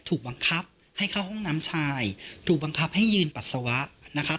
ถูกบังคับให้เข้าห้องน้ำชายถูกบังคับให้ยืนปัสสาวะนะครับ